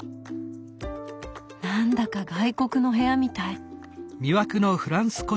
何だか外国の部屋みたい。